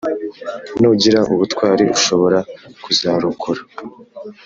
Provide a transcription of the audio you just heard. Nugira ubutwari ushobora kuzarokora